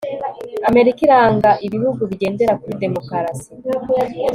amerika iranga ibihugu bigendera kuri demokarasi